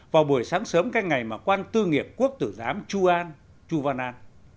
vào buổi sáng sớm cái ngày mà quan tư nghiệp quốc tử giám chu van an